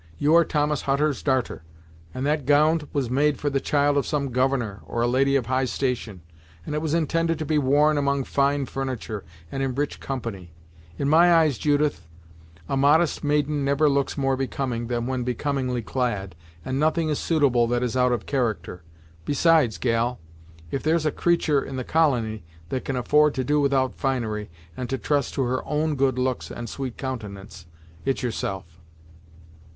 You are Thomas Hutter's darter, and that gownd was made for the child of some governor, or a lady of high station, and it was intended to be worn among fine furniture, and in rich company. In my eyes, Judith, a modest maiden never looks more becoming than when becomingly clad, and nothing is suitable that is out of character. Besides, gal, if there's a creatur' in the colony that can afford to do without finery, and to trust to her own good looks and sweet countenance, it's yourself."